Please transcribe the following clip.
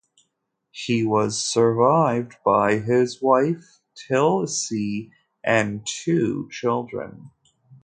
He was survived by his wife Tilisi and two children.